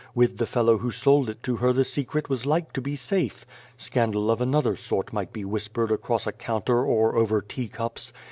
With the fellow who sold it to her the secret was like to be safe. Scandal of another sort might be whispered across a 113 i The Face counter or over teacups.